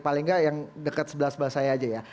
paling nggak yang dekat sebelah sebelah saya aja ya